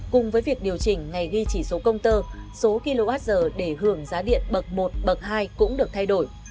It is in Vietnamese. cùng với việc điều chỉnh ngày ghi chỉ số công tơ số kwh để hưởng giá điện bậc một bậc hai cũng được thay đổi